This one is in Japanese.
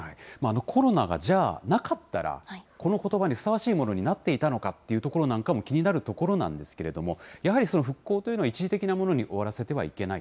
コロナがじゃあ、なかったら、このことばにふさわしいものになっていたのかというところも気になるところなんですけれども、やはりその復興というのを一時的なものに終わらせてはいけない。